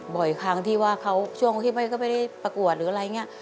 บ่อยครั้งที่ว่าเขาช่วงที่ไม่ก็ไม่ได้ประกวดหรืออะไรอย่างนี้